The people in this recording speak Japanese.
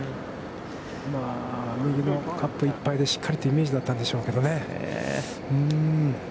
右のカップいっぱいでしっかりとしたイメージだったんでしょうけどね。